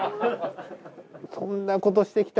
そんなことしてきた。